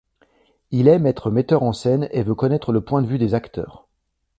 Il aime être metteur-en-scène et veut connaître le point de vue des acteurs.